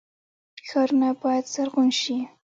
ښارونه باید زرغون شي